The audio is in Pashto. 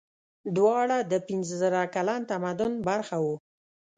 دواړه د پنځه زره کلن تمدن برخه وو.